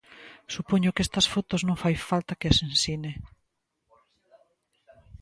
Supoño que estas fotos non fai falta que as ensine.